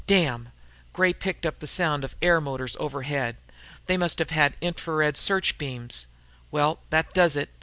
"Damn!" Gray picked up the sound of air motors overhead. "They must have had infra red search beams. Well, that does it.